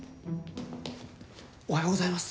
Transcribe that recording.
おはようございます。